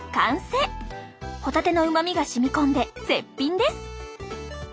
ホタテのうまみがしみ込んで絶品です！